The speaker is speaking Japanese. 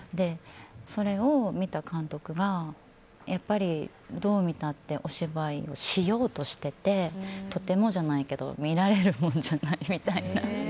それを見た監督がやっぱりどう見たってお芝居をしようとしててとてもじゃないけど見られるものじゃないみたいな。